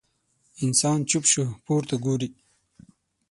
انسان چوپ شو، پورته ګوري.